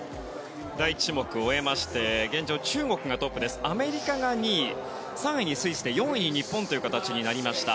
第１種目を終えまして現状、中国がトップアメリカが２位３位にスイスで４位に日本になりました。